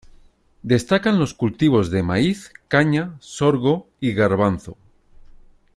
Destacan los cultivos de maíz, caña, sorgo y garbanzo.